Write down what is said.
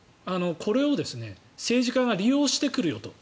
これを政治家が利用してくるよと。